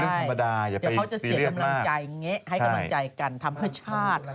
เดี๋ยวเขาจะเสียกำลังใจแงะให้กำลังใจกันทำเพื่อชาติ